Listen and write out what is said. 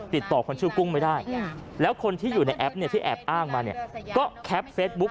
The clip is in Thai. ติดต่อคนชื่อกุ้งไม่ได้แล้วคนที่อยู่ในแอปเนี่ยที่แอบอ้างมาเนี่ยก็แคปเฟซบุ๊ค